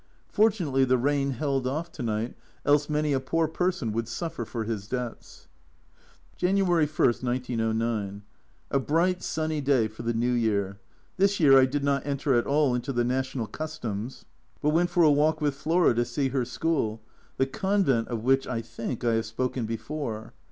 Fortunately the rain held off to night, else many a poor person would suffer for his debts ! January I, 1909. A bright sunny day for the New Year. This year I did not enter at all into the national customs, but went for a walk with Flora to see her school, the Convent of which, I think, I have spoken before.